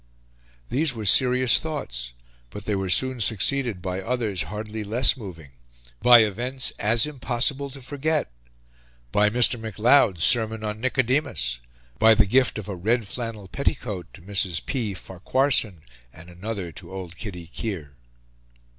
These were serious thoughts; but they were soon succeeded by others hardly less moving by events as impossible to forget by Mr. MacLeod's sermon on Nicodemus by the gift of a red flannel petticoat to Mrs. P. Farquharson, and another to old Kitty Kear.